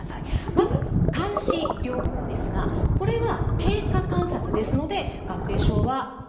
まず監視療法ですがこれは経過観察ですので合併症はありません。